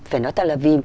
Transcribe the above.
phải nói tại là vì